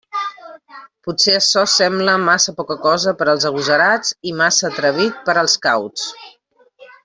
Potser açò sembla massa poca cosa per als agosarats i massa atrevit per als cauts.